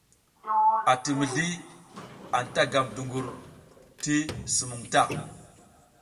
Ati mizliAnta gam dungur ti sumuŋ ta.